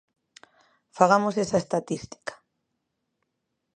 Fagamos esa estatística.